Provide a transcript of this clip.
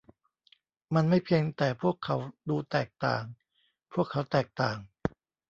มันไม่เพียงแต่พวกเขาดูแตกต่าง พวกเขาแตกต่าง